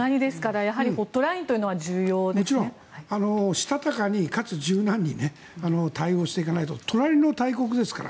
したたかに、かつ柔軟に対応していかないと隣の大国ですから。